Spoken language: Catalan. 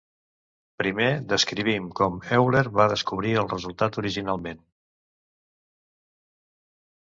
Primer, descrivim com Euler va descobrir el resultat originalment.